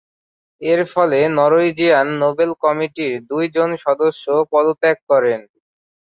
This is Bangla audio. এরফলে নরওয়েজিয়ান নোবেল কমিটির দুইজন সদস্য পদত্যাগ করেন।